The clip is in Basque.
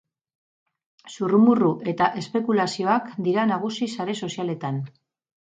Zurrumurru eta espekulazioak dira nagusi sare sozialetan.